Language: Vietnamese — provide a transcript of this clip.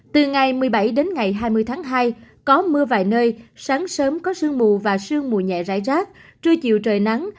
từ ngày một mươi bảy đến ngày hai mươi tháng hai có mưa vài nơi sáng sớm có sương mù và sương mù nhẹ rải rác trưa chiều trời nắng